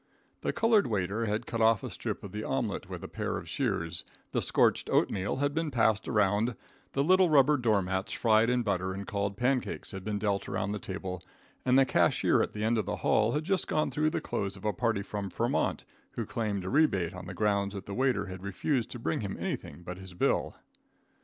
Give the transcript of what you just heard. The colored waiter had cut off a strip of the omelette with a pair of shears, the scorched oatmeal had been passed around, the little rubber door mats fried in butter and called pancakes had been dealt around the table, and the cashier at the end of the hall had just gone through the clothes of a party from Vermont, who claimed a rebate on the ground that the waiter had refused to bring him anything but his bill.